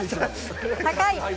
高い！